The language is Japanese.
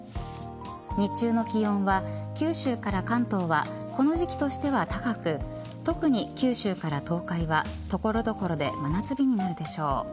日中の気温は九州から関東はこの時期としては高く特に九州から東海は所々で真夏日になるでしょう。